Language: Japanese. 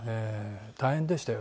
大変でしたよ